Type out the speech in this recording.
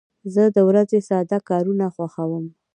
زه د ورځې ساده کارونه خوښوم.